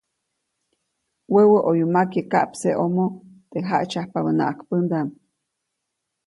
Wäwä ʼoyu makye kaʼpseʼomo teʼ jaʼtsyajpabänaʼajk pändaʼm.